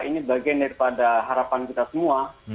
ini bagian daripada harapan kita semua